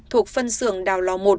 thuộc phân xưởng đào lò một